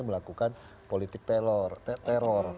melakukan politik teror